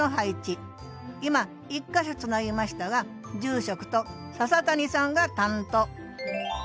今１か所つなぎましたが住職と笹谷さんが担当。